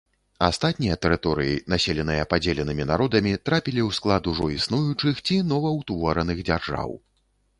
Астатнія тэрыторыі, населеныя падзеленымі народамі, трапілі ў склад ужо існуючых ці новаўтвораных дзяржаў.